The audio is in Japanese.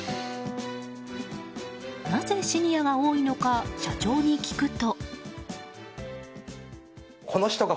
なぜシニアが多いのか社長に聞くと。